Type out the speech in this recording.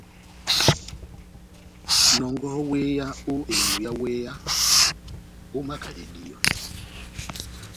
Nɔngɔhɔ wéya ó elungu yá wéya, omakadɛ díyɔ.